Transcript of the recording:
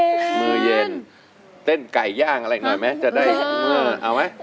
เพราะว่าเครียดจะทำการเต้นไก่ย่างอะไรหน่อยไหมจะได้เอ้อเอาไหม